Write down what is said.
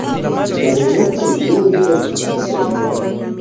La loĝantoj longe estis nobeloj.